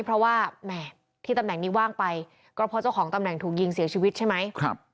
เพราะว่าแหมที่ตำแหน่งนี้ว่างไปก็เพราะเจ้าของตำแหน่งถูกยิงเสียชีวิตใช่ไหม